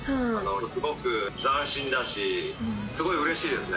すごく斬新だし、すごいうれしいですね。